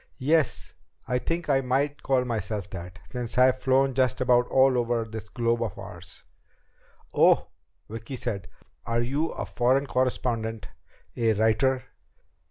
"Yes, I think I might call myself that since I've flown just about all over this globe of ours." "Oh?" Vicki said. "Are you a foreign correspondent? A writer?"